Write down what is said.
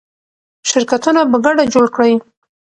شرکتونه په ګډه جوړ کړئ.